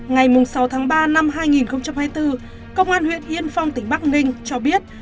ngày sáu tháng ba năm hai nghìn hai mươi bốn công an huyện yên phong tỉnh bắc ninh cho biết